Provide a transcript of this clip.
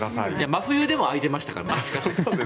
真冬でも開いていましたから。